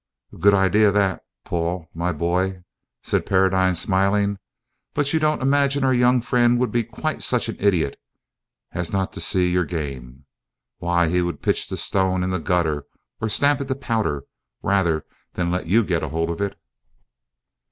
"A good idea that, Paul, my boy," said Paradine, smiling; "but you don't imagine our young friend would be quite such an idiot as not to see your game! Why, he would pitch the Stone in the gutter or stamp it to powder, rather than let you get hold of it."